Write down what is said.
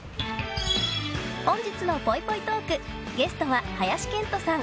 本日のぽいぽいトークゲストは林遣都さん